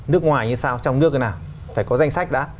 nước ngoài như sao trong nước như nào phải có danh sách đã